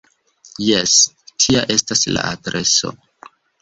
Jes, tia estas la adreso.